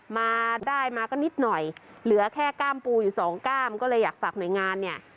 มาได้มาก็นิดหน่อยเหลือแค่กล้ามปูอยู่สองก้ามก็เลยอยากฝากหน่วยงานเนี่ย